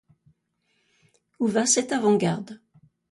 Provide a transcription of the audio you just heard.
Où va cette avant-garde?